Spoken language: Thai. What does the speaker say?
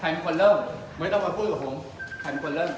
ภายมันควรเริ่มไม่ต้องมาพูดกับผม